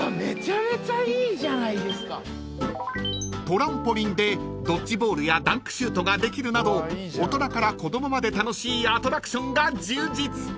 ［トランポリンでドッジボールやダンクシュートができるなど大人から子供まで楽しいアトラクションが充実］